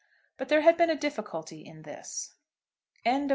But there had been a difficulty in this. CHAPTER II.